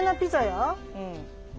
うん。